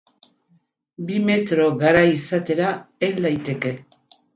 Bi metro garai izatera hel daiteke.